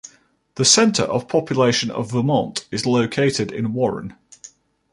The center of population of Vermont is located in Warren.